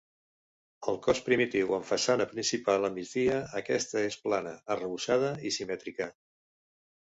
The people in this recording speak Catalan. El cos primitiu amb façana principal a migdia, aquesta es plana, arrebossada i simètrica.